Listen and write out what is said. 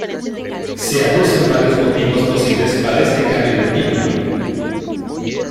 Se aducen varios motivos posibles para este cambio de título.